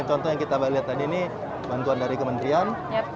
contoh yang kita lihat tadi ini bantuan dari kementerian